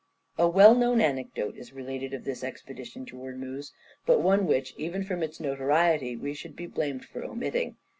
A well known anecdote is related of this expedition to Ormuz, but one which, even from its notoriety, we should be blamed for omitting.